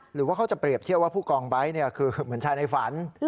หรือว่าเขาจะเปรียบเทียบว่าผู้กองไบท์คือเหมือนชายในฝัน